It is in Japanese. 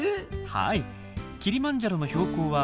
はい。